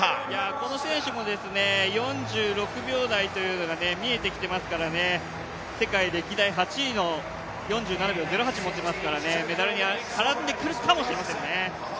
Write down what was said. この選手も４６秒台というのが見えてきていますから、世界歴代８位の４７秒０８を持っていますから、メダルに絡んでくるかもしれませんね。